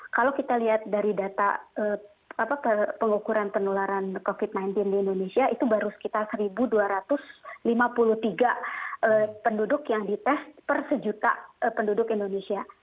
kalau kita lihat dari data pengukuran penularan covid sembilan belas di indonesia itu baru sekitar satu dua ratus lima puluh tiga penduduk yang dites per sejuta penduduk indonesia